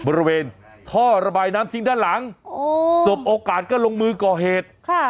บริเวณท่อระบายน้ำทิ้งด้านหลังสบโอกาสก็ลงมือก่อเหตุค่ะ